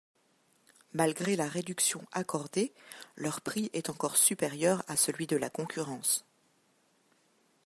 Malgré la réduction accordée, leur prix est encore supérieur à celui de la concurrence.